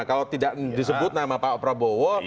kalau tidak disebut nama pak prabowo